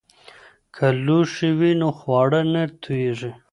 که لوښي وي نو خواړه نه توییږي.